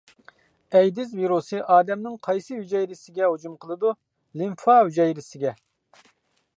ئەيدىز ۋىرۇسى ئادەمنىڭ قايسى ھۈجەيرىسىگە ھۇجۇم قىلىدۇ؟ لىمفا ھۈجەيرىسىگە.